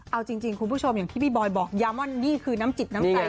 เอาจริงคุณผู้ชมอย่างที่พี่บอยบอกยามอนนี่คือน้ำจิตน้ำใจ